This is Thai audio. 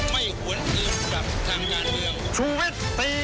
ไม่หวนอื่นกับทางงานเดียว